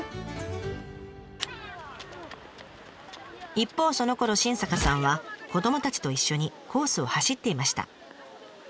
一方そのころ新坂さんは子どもたちと一緒にコースを走っていました。